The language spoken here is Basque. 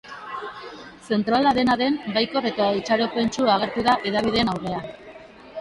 Zentrala dena den, baikor eta itxaropentsu agertu da hedabideen aurrean.